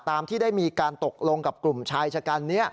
ตามที่ได้มีการตกลงกับกลุ่มชายชะกันนี้